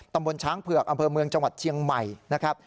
ตำบลช้างเผือกอำเภอเมืองจังหวัดเชียงใหม่นะครับ